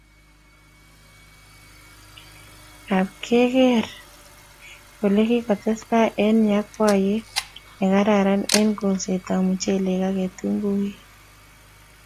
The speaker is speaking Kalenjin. Ak perkera ole kikotestai eng yakwaiyet nekararan eng kolsetab mchelek ak kitunguik